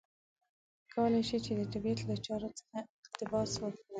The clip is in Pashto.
کولای شي چې د طبیعت له چارو څخه اقتباس وکړي.